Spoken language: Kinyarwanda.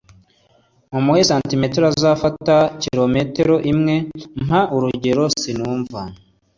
Mumuhe santimetero azafata kilometero imwe. Mpa urugero. Sinumva.